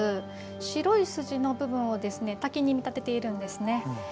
白い筋のところを滝に見立てているんですね。